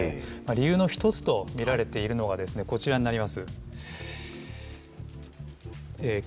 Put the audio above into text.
理由の１つと見られているのがですね、こちらになります。